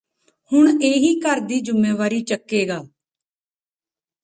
ਹੁਣ ਇਹੀ ਘਰ ਦੀ ਜੁੰਮੇਵਾਰੀ ਚੱਕੇਗਾ